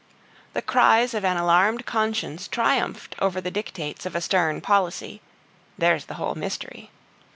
The cries of an alarmed conscience triumphed over the dictates of a stern policy there's the whole mystery.